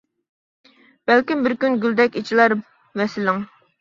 بەلكىم بىر كۈن گۈلدەك ئېچىلار ۋەسلىڭ.